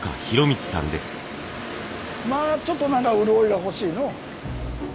まあちょっと何か潤いが欲しいのう。